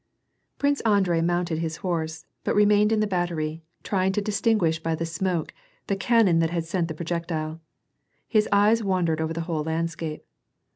Prikcb Andbei mounted his horse, but remained in the battery, trying to distinguish by the smoke, the cannon that had sent the projectile. His eyes wandered over the whole landscape.